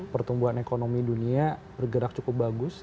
pertumbuhan ekonomi dunia bergerak cukup bagus